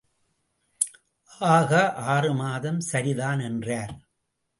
ஆக ஆறு மாதம் சரிதான் என்றார்.